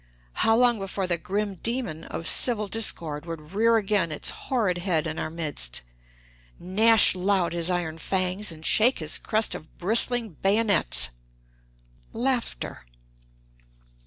How long before the grim demon of civil discord would rear again his horrid head in our midst, "gnash loud his iron fangs, and shake his crest of bristling bayonets"?